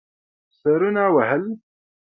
سرونه وهل.